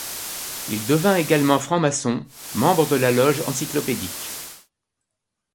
Il devint également franc-maçon, membre de la loge l'Encyclopédique.